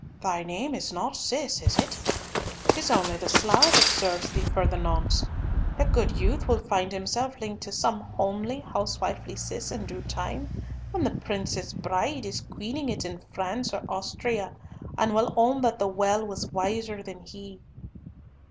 Thy name is not Cis, is it? 'Tis only the slough that serves thee for the nonce. The good youth will find himself linked to some homely, housewifely Cis in due time, when the Princess Bride is queening it in France or Austria, and will own that the well was wiser than he."